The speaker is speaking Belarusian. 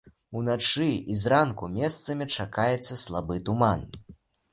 Уначы і зранку месцамі чакаецца слабы туман.